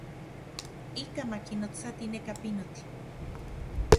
Ikaj ma kinotsati neka pinotl.